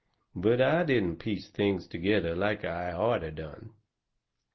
But I didn't piece things together like I orter done.